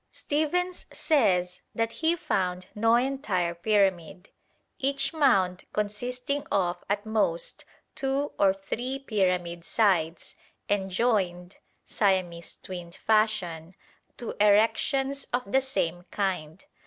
Stephens says that he found no entire pyramid, each mound consisting of at most two or three pyramid sides, and joined, Siamese twin fashion, to erections of the same kind.